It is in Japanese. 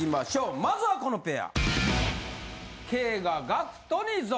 まずはこのペア。